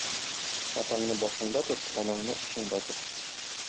Атаңны башыңда тот, аңаңны учыңда тот!